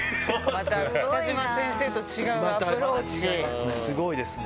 また北島先生とは違うアプロすごいですね。